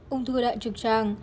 ung thư đại trực trang